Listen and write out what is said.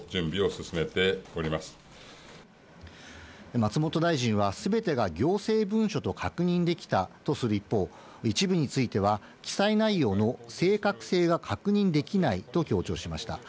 松本大臣は全てが行政文書と確認できたとする一方、一部については記載内容の正確性が確認できないと強調しました。